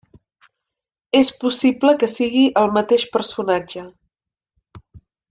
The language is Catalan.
És possible que sigui el mateix personatge.